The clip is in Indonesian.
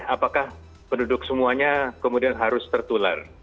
apakah penduduk semuanya kemudian harus tertular